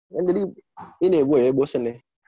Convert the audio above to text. kan jadi ini ya gue ya bosen ya